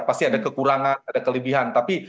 pasti ada kekurangan ada kelebihan tapi